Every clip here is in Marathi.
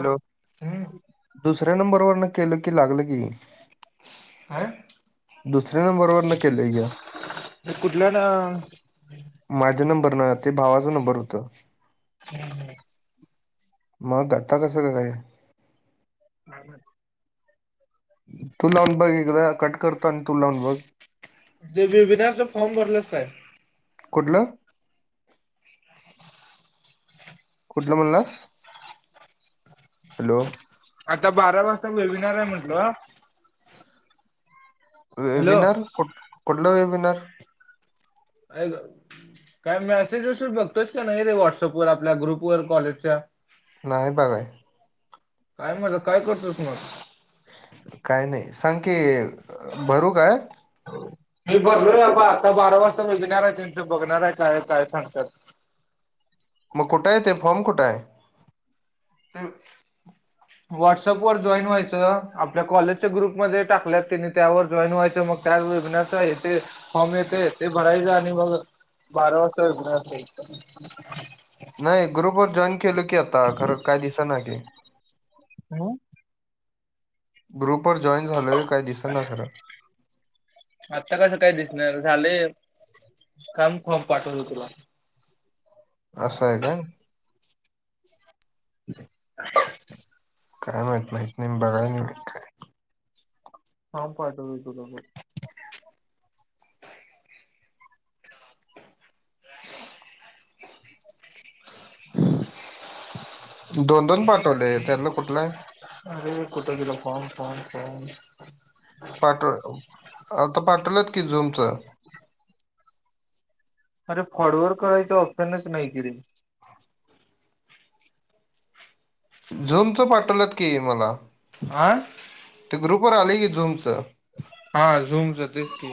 हॅलो हम्म दुसऱ्या नंबर वरनं केलं की लागलं की. काय दुसऱ्या नंबर वरनं केलय की या. ते कुठलाय ना माझा नंबर ना ते भावाचं नंबर होतं. हम्म हम्म. मग धक्का कसं [unintelligible] हे? नाय माहित. तू लावून बघ एकदा कट करतो आणि तू लावून बघ. ते बेबीनारचा फॉर्म भरलास काय? कुठलं कुठला म्हणलास हॅलो. आत्ता बारा वाजता वेबिनार आहे म्हटलो. हॅलो वेबिनार कूट कुठलं वेबिनार? काय गं? काय मेसेज विसेज बघतोयस की नाय रे व्हाट्सअप वर आपल्या ग्रुप वर कॉलेजच्या? नाय बघाय काय मला काय करतोस मग? काय नाही सांग की भरू काय? मी भरलोय ब आत्ता बारा वाजता वेबिनारे त्यांचं बघणार आहे काय हाय काय सांगत्यात. मग कुठं आहे ते फॉर्म कुठं आहे? [unintelligible] व्हाट्सअप वर जॉईन व्हायचं आपल्या कॉलेजच्या ग्रुप मध्ये टाकलेत त्यानी त्यावर जॉईंट व्हायचं मग त्यात वेबिनारचं येतंय फॉर्म येतंय ते भरायचं आणि मग बारा वाजता होणार ते. नाय ग्रुप वर जॉईन केलं की आता खरं काय दिसत नाय की. हॅलो. ग्रुप वर जॉईन झालोय, काय दिसना खरं. आत्ता कसं काय दिसणार झालंय, थांब फॉर्म पाठवतो तुला. असाय काय. [inaudible] काय माहित माहित नाही, मी बघाय नाय काय. थांब पाठवतो तुला पण. [inaudible] दोन दोन पाठवलेत त्यातलं कुठलाय. अरे कुठे गेला फॉम फॉम फॉम. पाठव आत्ता पाठवल्यात की झुमचं. अरे फॉरवर्ड करायचं, ऑप्शनच नाही की रे. झुमच पाठवलेत की मला. आ. ते ग्रुप वर आले, की झुमच. हा, झूमच तेच की.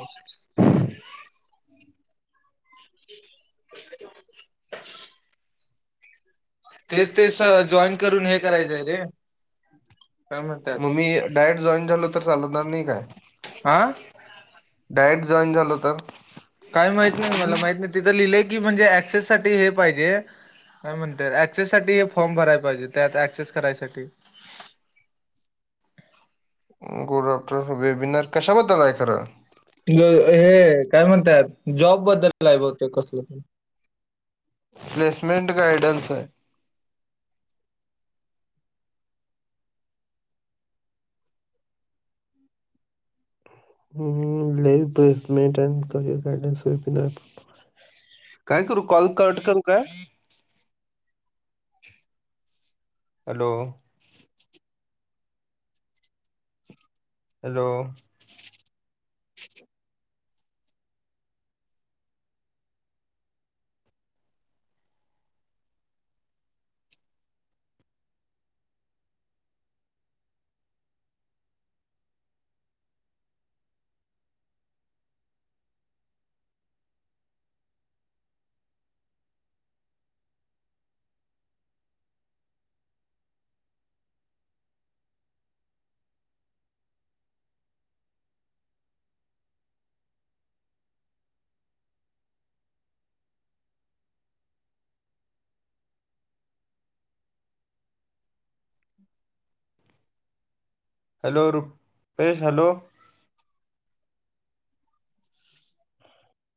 [inaudible] तेच ते तेच स आ.. जॉईन करून हे करायचाय रे. काय म्हणतात मग मी डायरेक्ट जॉईन झालो, तर चालणार नाही काय? आं. डायरेक्ट जॉईन झालो तर, काय माहित नाही मला माहित नाही, तिथं लिहिलंय की म्हणजे ऍक्सेस साठी हे पाहिजे. काय म्हणते ऍक्सेस साठी फॉर्म भराय पाहिजे, त्यात ऍक्सेस करायसाठी. गुड आफ्टरनून बेबीनार कशाबद्दल आहे खरं. हे काय म्हणत्यात, जॉबबद्दल बहुतेक कसलं तर. प्लेसमेंट गार्डन्स हाय. हम हम, ले प्लेसमेंट अ गार्डन्स वेबीनार. काय करू, कॉल कट करू काय? Hello. Hello. Hello Rupesh hello.